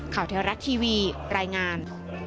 ข่าวแท้รัฐทีวีรายงาน